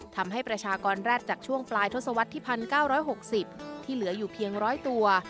ประชากรแรกจากช่วงปลายทศวรรษที่๑๙๖๐ที่เหลืออยู่เพียง๑๐๐ตัว